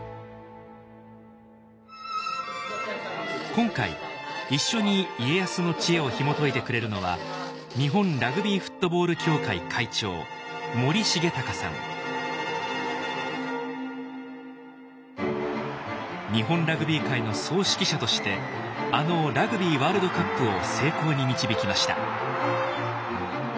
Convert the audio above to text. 今回一緒に家康の知恵をひもといてくれるのは日本ラグビー界の総指揮者としてあのラグビーワールドカップを成功に導きました。